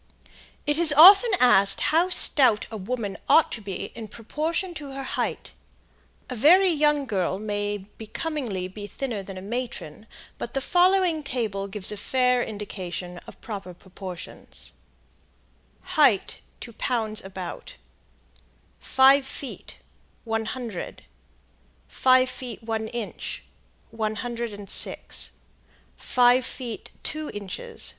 It is often asked how stout a woman ought to be in proportion to her height. A very young girl may becomingly be thinner than a matron, but the following table gives a fair indication of proper proportions: Height Pounds Height Pounds Five feet about 100 Five feet 7 inches.